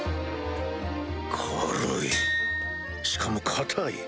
軽いしかも硬い。